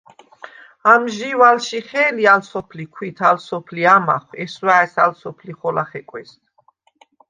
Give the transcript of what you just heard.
ამჟი̄ვ ალშიხე̄ლი ალ სოფლი ქვით, ალ სოფლი ამახვ, ჲესვა̄̈ჲს ალ სოფლი ხოლა ხეკვეს!